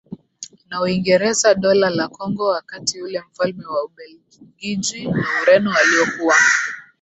na Uingereza Dola la Kongo wakati ule mfalme wa Ubelgiji na Ureno walio kuwa